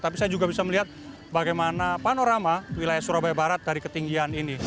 tapi saya juga bisa melihat bagaimana panorama wilayah surabaya barat dari ketinggian ini